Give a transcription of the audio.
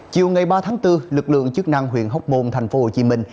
chiều ngày ba tháng bốn lực lượng chức năng huyện hóc môn thành phố hồ chí minh